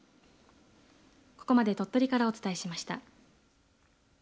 ここまで鳥取からお伝えしました。